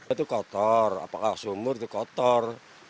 itu kotor apakah sumur itu kotor